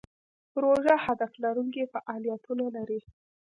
پروژه هدف لرونکي فعالیتونه لري.